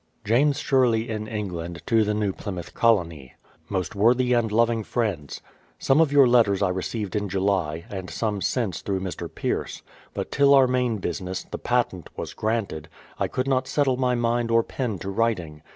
James Sherley in England to the New Plymouth Colonyi Most worthy and loving Friends, Some of your letters I received in July, and some since through Mr. Pierce; but till our main business, the patent, was granted, I could not settle my mind or pen to writing.